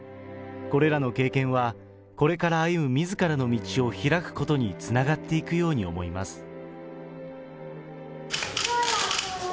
これらの経験はこれから歩むみずからの道を開くことにつながっていくように思います。